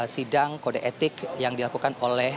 sidang kode etik yang dilakukan oleh